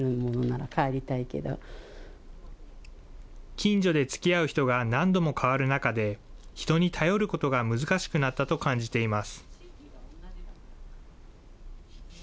近所でつきあう人が何度も変わる中で、人に頼ることが難しくなったと感じています。